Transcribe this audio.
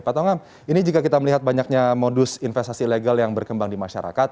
pak tongam ini jika kita melihat banyaknya modus investasi ilegal yang berkembang di masyarakat